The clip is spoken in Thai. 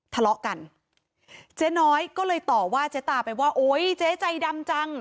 ทะเลาะกันเจ๊น้อยก็เลยต่อว่าเจ๊ตาไปว่าโอ๊ยเจ๊ใจดำจัง